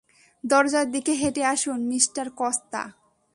দরজার দিকে হেঁটে আসুন, মিঃ কস্তা?